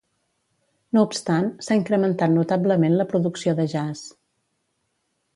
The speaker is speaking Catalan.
No obstant, s'ha incrementat notablement la producció de jazz.